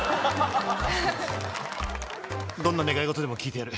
どんな願い事でも聞いてやる。